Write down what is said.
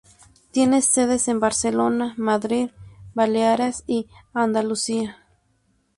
Tiene sedes en Barcelona, Madrid, Baleares y Andalucía.